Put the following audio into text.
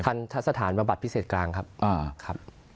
ทัศน์สถานประบัติพิเศษกลางครับ